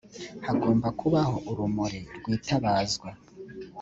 hagomba kubaho urumuri rwitabazwa